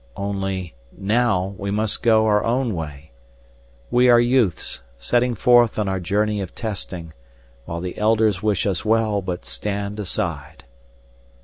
Only, now we must go our own way. We are youths setting forth on our journey of testing, while the Elders wish us well but stand aside."